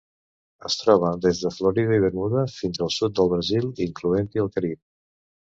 Es troba des de Florida i Bermuda fins al sud del Brasil, incloent-hi el Carib.